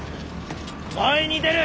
前に出る！